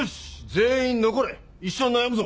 全員残れ一緒に悩むぞ！